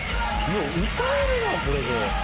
「よう歌えるなこれで」